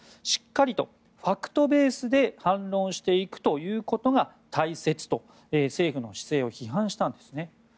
しっかりファクトベースで反論していくということが大切と政府の姿勢を批判したんですね。